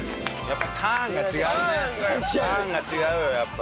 ターンが違うよやっぱ。